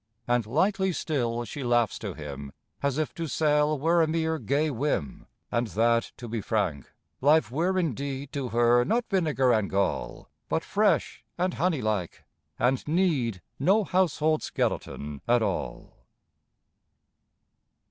And lightly still she laughs to him, As if to sell were a mere gay whim, And that, to be frank, Life were indeed To her not vinegar and gall, But fresh and honey like; and Need No household skeleton at all.